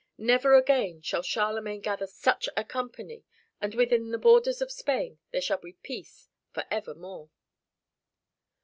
Never again shall Charlemagne gather such a company, and within the borders of Spain there shall be peace for evermore."